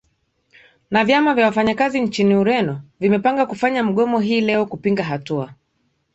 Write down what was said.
na vyama vya wafanyakazi nchini ureno vimepanga kufanya mgomo hii leo kupinga hatua